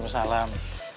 bisa dia jalan